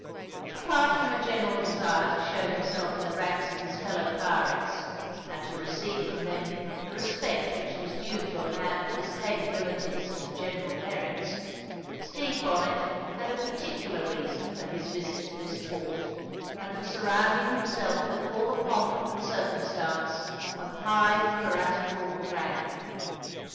Apart from a general desire to show himself in the ranks of his fellow pirates and to receive from them the respect which was due to a man of his capabilities and general merits, Stede Bonnet had a particular reason for his visit to this port and for surrounding himself with all the pomp and circumstance of high piratical rank.